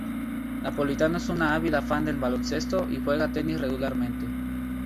Napolitano es una ávida fan del baloncesto y juega tenis regularmente.